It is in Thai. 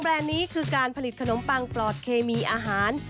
นี้คือการผลิตขนมปังปลอดเคมีอาหาร